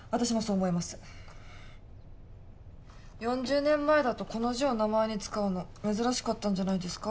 ４０年前だとこの字を名前に使うの珍しかったんじゃないですか？